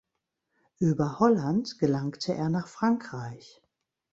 Über Holland gelangte er nach Frankreich.